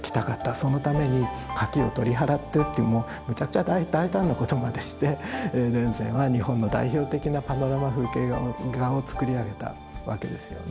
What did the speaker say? そのために垣を取り払ってっていうめちゃくちゃ大胆なことまでして田善は日本の代表的なパノラマ風景画を作り上げたわけですよね。